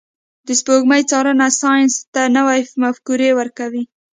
د سپوږمۍ څارنه ساینس ته نوي مفکورې ورکوي.